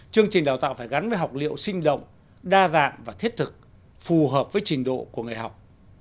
chương trình đào tạo phải gắn với học liệu sinh động đa dạng và thiết thực phù hợp với trình độ của người học